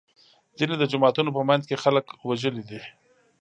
ځینې د جوماتونو په منځ کې خلک وژلي دي.